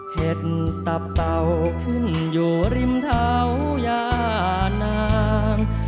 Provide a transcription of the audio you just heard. เห็ดตับเต่าขึ้นอยู่ริมเท้ายานาง